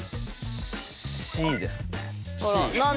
Ｃですね。